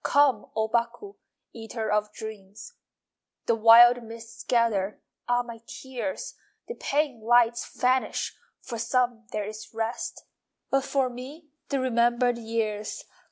Come, O Baku, Eater of dreams! The wild mists gather (Ah, my tears!) The pane lights vanish (For some there is rest.) But for me The remembered years!